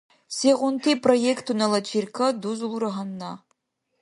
Сегъунти проектунала черкад дузулра гьанна?